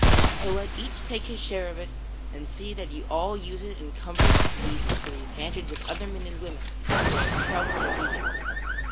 So let each take his share of it and see that ye all use it in comfort and peace and for the advantage of other men and women who are in trouble as ye have been.